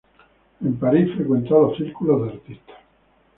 En París frecuentó los círculos de artistas.